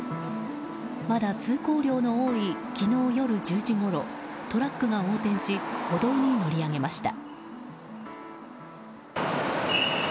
まだ通行量の多い昨日夜１０時ごろトラックが横転し歩道に乗り上げました。